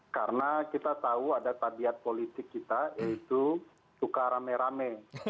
karena kita tahu ada tabiat politik kita yaitu tukar rame rame